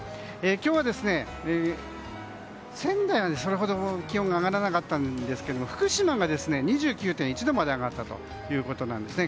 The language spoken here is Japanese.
今日は、仙台はそれほど気温が上がらなかったんですが福島が２９．１度まで上がったということですね。